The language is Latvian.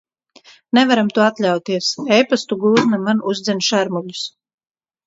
Nevaram to atļauties. Epastu gūzma man uzdzen šermuļus.